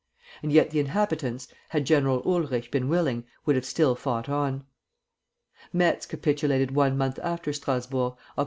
And yet the inhabitants, had General Ulrich been willing, would have still fought on. Metz capitulated one month after Strasburg, Oct.